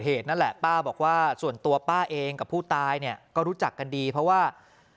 นั่นแหละป้าบอกว่าส่วนตัวป้าเองกับผู้ตายเนี่ยก็รู้จักกันดีเพราะว่า